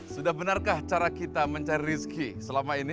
sudah benarkah cara kita mencari rezeki selama ini